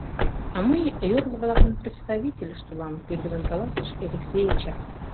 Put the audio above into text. — А мый йорло-влакын представительышт улам! — пеҥгыдын каласыш Элексей Эчан.